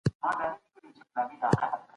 دولت کله کله له جبر څخه کار اخلي.